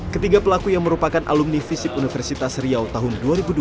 ketiga pelaku yang merupakan alumni visip universitas riau tahun dua ribu dua dua ribu empat